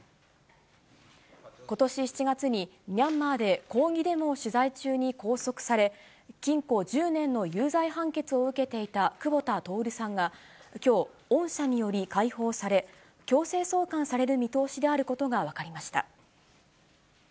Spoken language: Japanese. ことし７月に、ミャンマーで抗議デモを取材中に拘束され、禁錮１０年の有罪判決を受けていた久保田徹さんが、きょう、恩赦により解放され、強制送還される見通しであることが分かりました。